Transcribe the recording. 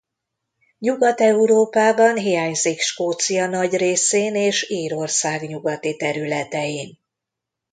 Nyugat-Európában hiányzik Skócia nagy részén és Írország nyugati területein.